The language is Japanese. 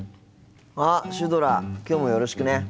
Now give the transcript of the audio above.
あっシュドラきょうもよろしくね。